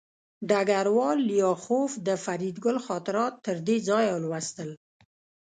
ډګروال لیاخوف د فریدګل خاطرات تر دې ځایه ولوستل